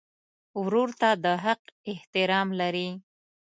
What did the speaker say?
ورور ته د حق احترام لرې.